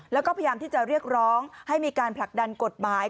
แล้วก็พยายามที่จะเรียกร้องให้มีการผลักดันกฎหมาย